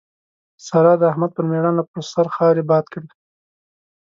سارا د احمد پر ميړانه پر سر خاورې باد کړې.